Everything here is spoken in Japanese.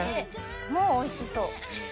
もうおいしそう。